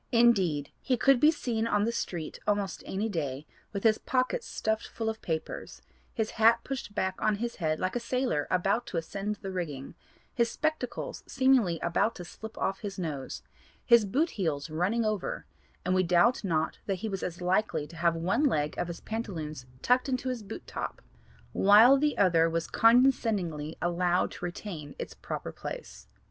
Indeed he could be seen on the street almost any day with his pockets stuffed full of papers, his hat pushed back on his head like a sailor about to ascend the rigging, his spectacles seemingly about to slip off his nose, his boot heels running over, and we doubt not that he was as likely to have one leg of his pantaloons tucked into his boot top while the other was condescendingly allowed to retain its proper place.